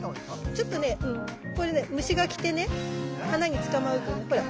これね虫が来てね花につかまるとねほら。